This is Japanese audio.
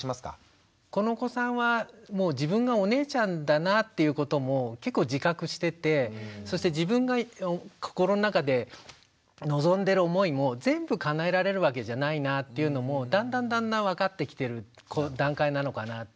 このお子さんはもう自分がお姉ちゃんだなっていうことも結構自覚しててそして自分が心の中で望んでる思いも全部かなえられるわけじゃないなっていうのもだんだんだんだん分かってきてる段階なのかなって。